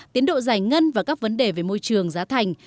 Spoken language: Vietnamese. tiến độ giải ngân và các vấn đề về môi trường giá thành